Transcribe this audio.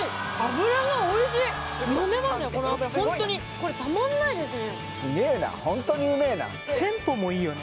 ホントにこれたまんないですね